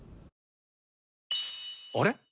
あれ？